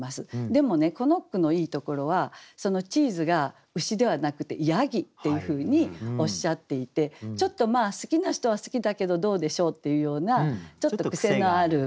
でもねこの句のいいところはそのチーズが牛ではなくて山羊っていうふうにおっしゃっていてちょっと好きな人は好きだけどどうでしょうっていうようなちょっと癖のある味ですよね。